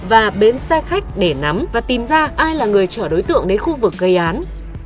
và bến xe khách để nắm và tìm ra ai là người chở đối tượng đến khu vực gây án